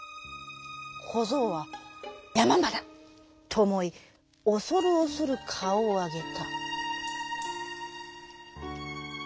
こぞうは「やまんばだ」とおもいおそるおそるかおをあげた。